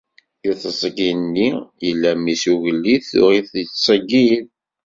Di teẓgi-nni, yella mmi-s n ugellid tuɣ-it yettṣeyyid.